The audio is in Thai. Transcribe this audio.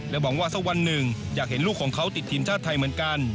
หวังว่าสักวันหนึ่งอยากเห็นลูกของเขาติดทีมชาติไทยเหมือนกัน